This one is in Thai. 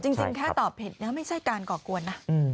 จริงแค่ตอบผิดนะไม่ใช่การก่อกวนนะ